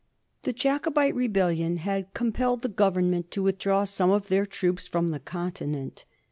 The Jacobite rebellion had compelled the Ooveniment to withdraw some of their troops from the continent.